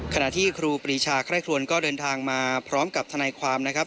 ที่ครูปรีชาไคร่ครวนก็เดินทางมาพร้อมกับทนายความนะครับ